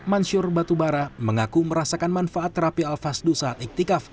mansyur batubara mengaku merasakan manfaat terapi al fasdu saat iktikaf